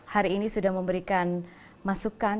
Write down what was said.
hari ini sudah memberikan masukan